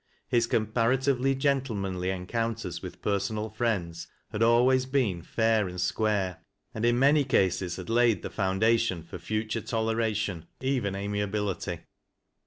His comparatively gentlemanly en counters with personal friends had always been fair and 8g[uare, and in mary cases had laid the foundation foi future toleration, even amiability.